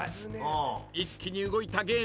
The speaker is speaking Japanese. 一気に動いたゲーム。